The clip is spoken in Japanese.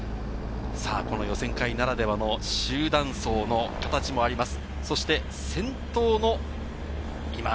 この予選会ならではの集団走の形もあります。